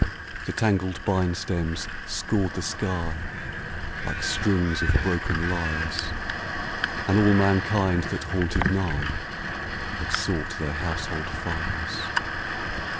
The tangled bine stems scored the sky Like strings of broken lyres, And all mankind that haunted nigh Had sought their household fires.